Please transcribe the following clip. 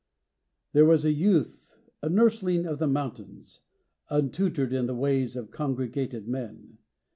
There was a youth, a nursling of the mountains, Untutored in the ways of congregated men.